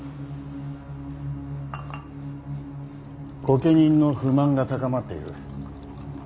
御家人の不満が高まっている。